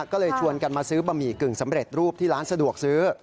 ก็เลยชวนกันมาซื้อบะหมี่กึ่งสำเร็จรูปที่ร้านสะดวกซื้อ